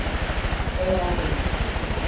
Öğrendim.